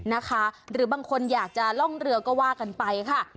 นะคะหรือบางคนอยากจะล่องเรือก็ว่ากันไปค่ะ